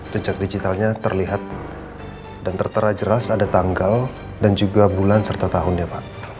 jejak digitalnya terlihat dan tertera jelas ada tanggal dan juga bulan serta tahun ya pak